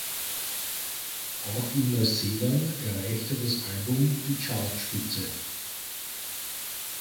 Auch in Neuseeland erreichte das Album die Chartspitze.